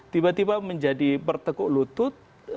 tiba tiba menjadi bertekuk lutut